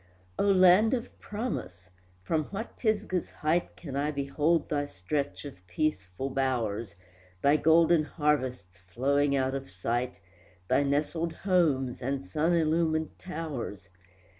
O Land of Promise! from what Pisgah's height Can I behold thy stretch of peaceful bowers, Thy golden harvests flowing out of sight, Thy nestled homes and sun illumined towers?